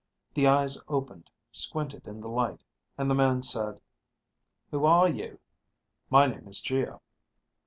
The eyes opened, squinted in the light, and the man said, "Who are you?" "My name is Geo."